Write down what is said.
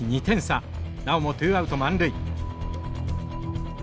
なおもツーアウト満塁。